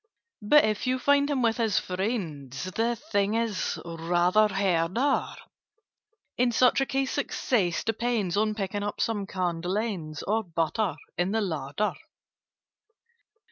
"But if you find him with his friends, The thing is rather harder. In such a case success depends On picking up some candle ends, Or butter, in the larder.